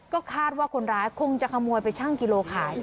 ก็คาดว่าคนร้ายคงจะขโมยไปชั่งกิโลขาย